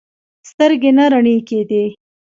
سترګې نه رڼې کېدې.